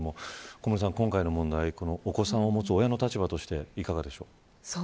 小室さん、今回の問題お子さんを持つ親の立場としてどうですか。